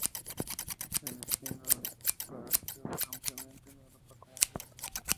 El espino albar se usa ampliamente en Europa como seto.